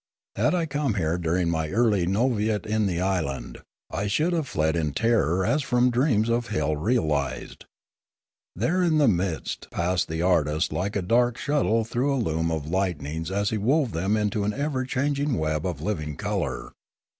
Had I come here during my early novitiate in the island, I should have fled in terror as from dreams of hell realised. There in the midst passed the artist like a dark shuttle through a loom of lightnings as he wove them into an ever changing web of living colour.